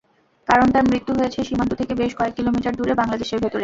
কারণ তাঁর মৃত্যু হয়েছে সীমান্ত থেকে বেশ কয়েক কিলোমিটার দূরে, বাংলাদেশের ভেতরে।